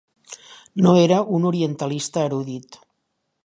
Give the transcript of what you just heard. No era un orientalista erudit.